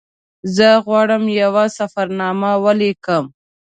زه غواړم یوه سفرنامه ولیکم.